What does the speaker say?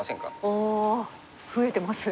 おお増えてます。